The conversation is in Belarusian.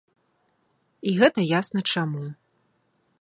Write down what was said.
І гэта ясна чаму.